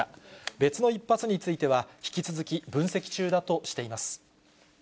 別の１発については、引き続き分析中だとしています。